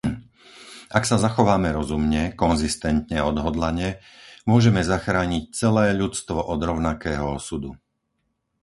Ak sa zachováme rozumne, konzistentne a odhodlane, môžeme zachrániť celé ľudstvo od rovnakého osudu,